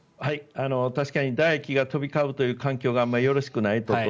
確かにだ液が飛び交うという環境があまりよろしくないこと。